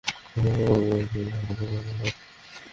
কখনও কখনও প্রথম দেখাতেই প্রেম হয়।